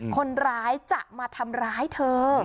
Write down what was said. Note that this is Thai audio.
คนร้ายจะมาทำร้ายเธอ